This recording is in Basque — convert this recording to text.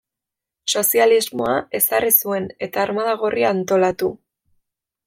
Sozialismoa ezarri zuen, eta Armada Gorria antolatu.